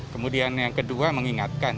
kemudian yang kedua mengingatkan